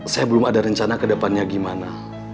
saya belum ada rencana ke depannya gimana